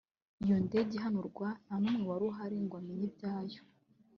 iyo ndege ihanurwa ntanumwe wari uhari ngo amenye ibyayo